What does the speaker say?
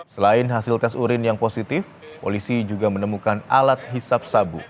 selain hasil tes urin yang positif polisi juga menemukan alat hisap sabu